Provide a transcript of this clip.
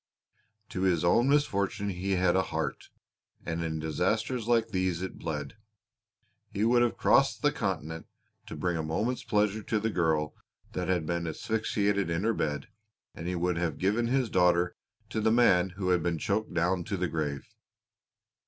To his own misfortune he had a heart, and in disasters like these it bled. He would have crossed the Continent to bring a moment's pleasure to the girl that had been asphyxiated in her bed, and he would have given his daughter to the man who had been choked down to the grave.